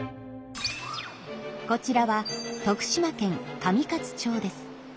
こちらは徳島県上勝町です。